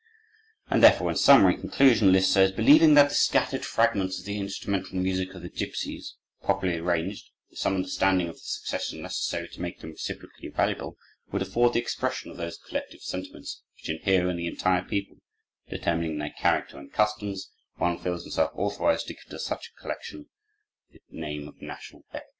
And therefore, in summary conclusion, Liszt says: "Believing that the scattered fragments of the instrumental music of the gipsies, properly arranged, with some understanding of the succession necessary to make them reciprocally valuable, would afford the expression of those collective sentiments which inhere in the entire people, determining their character and customs, one feels himself authorized to give to such a collection the name of National Epic."